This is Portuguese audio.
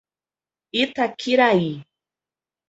Itaquiraí